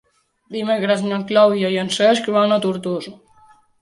Dimecres na Clàudia i en Cesc van a Tortosa.